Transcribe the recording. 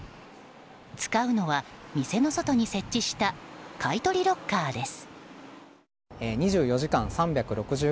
使うのは店の外に設置した買い取りロッカーです。